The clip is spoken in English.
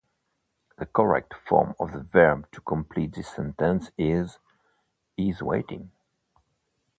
The correct form of the verb to complete this sentence is "is waiting".